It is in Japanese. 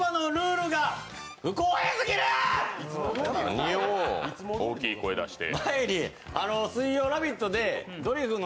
何を大きい声出して。